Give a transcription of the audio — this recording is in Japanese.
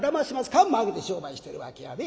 看板あげて商売してるわけやで？